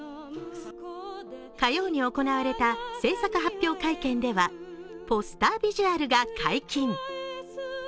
火曜に行われた製作発表会見ではポスタービジュアルが解禁。